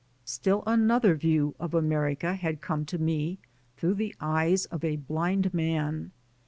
Still another view of America had come to me through the eyes of a blind man.